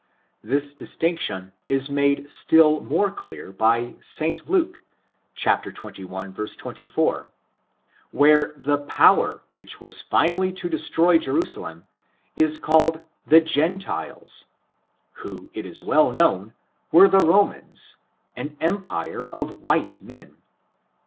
This distinction is made still more clear by St. Luke xxi, 24, where the power which was finally to de stroy Jerusalem, is called " the gentiles,^^ who, it is well known, were the Romans, an empire of white men.